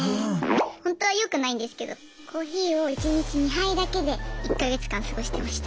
ほんとはよくないんですけどコーヒーを１日２杯だけで１か月間過ごしてました。